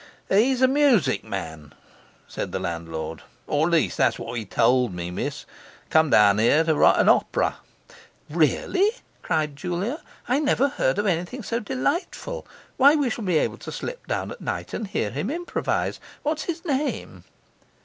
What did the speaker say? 'He's a music man,' said the landlord, 'or at least that's what he told me, miss; come down here to write an op'ra.' 'Really!' cried Julia, 'I never heard of anything so delightful! Why, we shall be able to slip down at night and hear him improvise! What is his name?